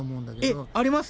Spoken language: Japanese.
えっあります？